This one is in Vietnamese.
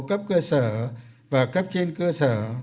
cấp cơ sở và cấp trên cơ sở